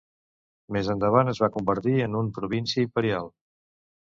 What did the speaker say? Més endavant es va convertir en un província imperial.